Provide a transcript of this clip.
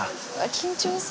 緊張する。